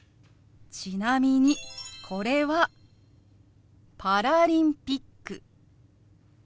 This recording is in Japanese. ちなみにこれは「パラリンピック」。